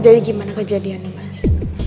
jadi gimana kejadian ini mas